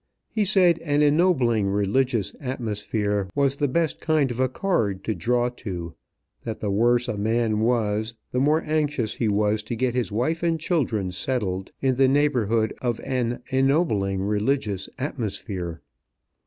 He said an ennobling religious atmosphere was the best kind of a card to draw to that the worse a man was, the more anxious he was to get his wife and children settled in the neighborhood of an ennobling religious atmosphere.